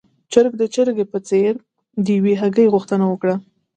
چرګ د چرګې په څېر د يوې هګۍ غوښتنه وکړه.